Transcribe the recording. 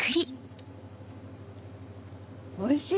おいしい！